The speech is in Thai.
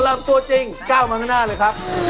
และนี่คือช่วงโชว์มหาสนุก